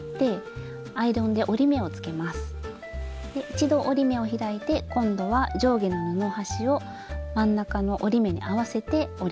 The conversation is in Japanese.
一度折り目を開いて今度は上下の布端を真ん中の折り目に合わせて折ります。